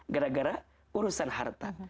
gara gara urusan harta